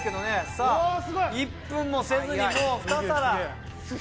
さあ１分もせずにもう２皿。